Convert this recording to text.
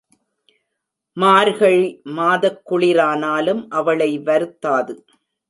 மார்கழி மாதக் குளிரானாலும் அவளை வருத்தாது.